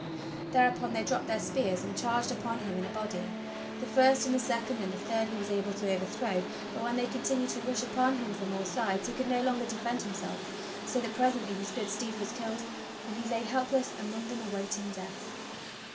Thereupon they dropped their spears and charged upon him in a body. The first and the second and the third he was able to over throw; but when they continued to rush upon him from all sides, he could no longer defend himself, so that presently his good steed was killed, and he lay helpless among them awaiting death.